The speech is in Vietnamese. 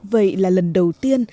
vậy là lần đầu tiên